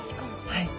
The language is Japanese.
はい。